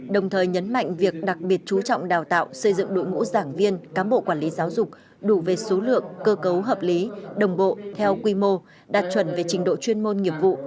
đồng thời nhấn mạnh việc đặc biệt chú trọng đào tạo xây dựng đội ngũ giảng viên cán bộ quản lý giáo dục đủ về số lượng cơ cấu hợp lý đồng bộ theo quy mô đạt chuẩn về trình độ chuyên môn nghiệp vụ